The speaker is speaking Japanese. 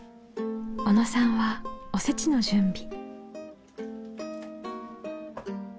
小野さんはおせちの準備。